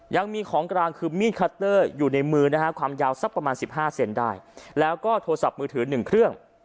ยังมีของกลางคือมีดคัตเตอร์อยู่ในมือนะฮะความยาวสักประมาณ๑๕เซนได้แล้วก็โทรศัพท์มือถือ๑เครื่อง